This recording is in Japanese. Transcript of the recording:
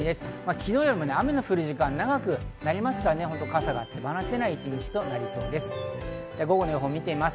昨日よりも雨の降る時間が長くなりますから傘が手放せない一日となりそうです。